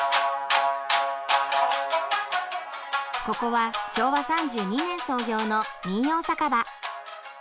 ここは昭和３２年創業の民謡酒場。